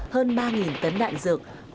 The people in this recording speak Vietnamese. hơn ba tấn đạn dược